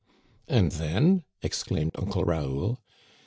*' And then ?" exclaimed Uncle Raoul.